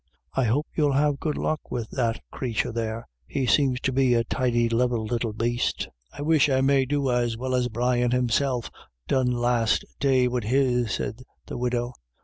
I hope you'll have good luck with that crathur there ; he seems to be a tidy level little baste." 25* IRISH IDYLLS. * I wish I may do as well as Brian himself done last day wid his," said the widow.